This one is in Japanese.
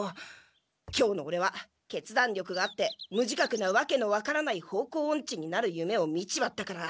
今日のオレは決断力があって無自覚なわけの分からない方向オンチになる夢を見ちまったから。